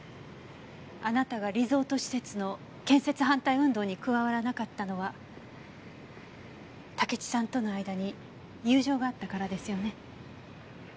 あなたがリゾート施設の建設反対運動に加わらなかったのは竹地さんとの間に友情があったからですよね？